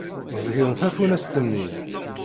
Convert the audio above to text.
Ẓẓgen tafunast-nni.